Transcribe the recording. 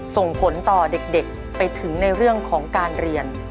ส่งผลต่อเด็กไปถึงในเรื่องของการเรียน